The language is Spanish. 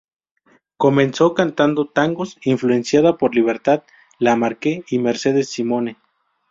Comenzó cantando tangos, influenciada por Libertad Lamarque y Mercedes Simone.